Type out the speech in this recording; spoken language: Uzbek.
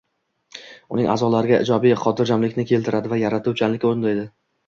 uning a’zolariga ijobiy xotirjamlikni keltiradi va yaratuvchanlikka undaydi.